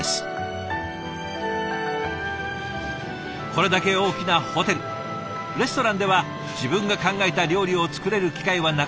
これだけ大きなホテルレストランでは自分が考えた料理を作れる機会はなかなかないそうですが